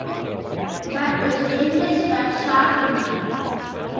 But the changes were short-lived.